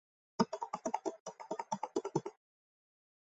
首府贝尔图阿。